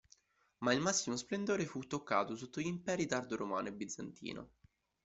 Ma il massimo splendore fu toccato sotto gli imperi tardo-romano e bizantino.